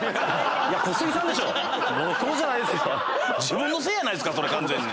自分のせいやないっすか完全に。